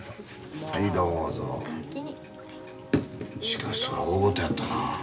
しかしそれは大ごとやったな。